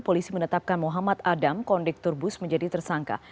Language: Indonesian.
polisi menetapkan muhammad adam kondektur bus menjadi tersangka